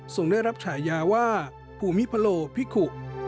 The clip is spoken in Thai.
ได้รับฉายาว่าภูมิพโลภิกุ